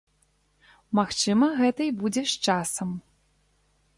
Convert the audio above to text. Магчыма, гэта і будзе з часам.